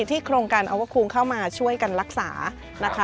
ที่โครงการอัลว่าคุ้งเข้ามาช่วยกันรักษานะคะ